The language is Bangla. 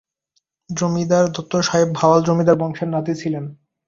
জমিদার দত্ত সাহেব ভাওয়াল জমিদার বংশের নাতি ছিলেন।